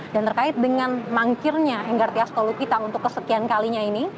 dan terkait dengan mangkirnya enggartia stolokita untuk kesekian kalinya ini